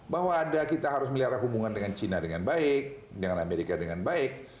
bahwa ada kita harus melihara hubungan dengan cina dengan baik dengan amerika dengan baik